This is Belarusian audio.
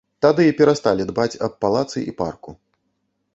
Тады і перасталі дбаць аб палацы і парку.